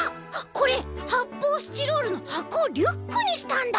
これはっぽうスチロールのはこをリュックにしたんだ！